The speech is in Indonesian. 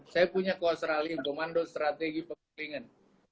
saya punya kuas rally komando strategi pemelingan